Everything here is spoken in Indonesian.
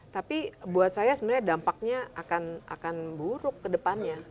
tapi buat saya sebenarnya dampaknya akan buruk ke depannya